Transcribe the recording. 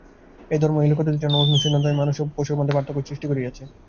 এই ধর্ম, এই লোকাতীতের জন্য অনুসন্ধিৎসাই মানুষ ও পশুর মধ্যে পার্থক্য সৃষ্টি করিয়াছে।